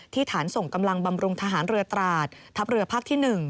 ฐานส่งกำลังบำรุงทหารเรือตราดทัพเรือภาคที่๑